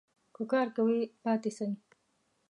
که کار کوی ؟ پاته سئ